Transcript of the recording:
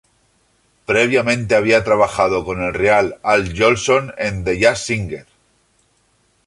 Previamente había trabajado con el real Al Jolson en "The jazz singer".